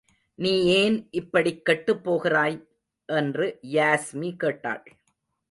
நீ ஏன் இப்படிக் கெட்டுப் போகிறாய்? என்று யாஸ்மி கேட்டாள்.